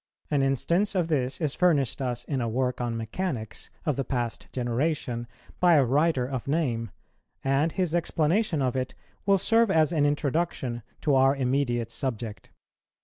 An instance of this is furnished us in a work on Mechanics of the past generation, by a writer of name, and his explanation of it will serve as an introduction to our immediate subject.